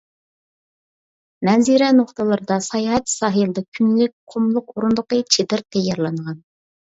مەنزىرە نۇقتىلىرىدا ساياھەت ساھىلدا كۈنلۈك، قۇملۇق ئورۇندۇقى، چېدىر تەييارلانغان.